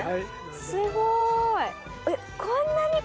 すごい。